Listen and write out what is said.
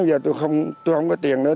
giờ tôi không có tiền nữa